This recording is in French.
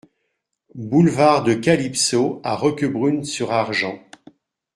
Boulevard de Calypso à Roquebrune-sur-Argens